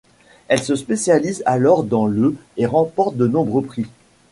Elle se spécialise alors dans le et remporte de nombreux prix.